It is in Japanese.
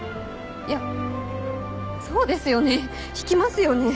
いやそうですよね引きますよね。